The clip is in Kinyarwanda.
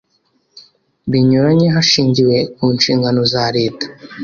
binyuranye hashingiwe ku nshingano za leta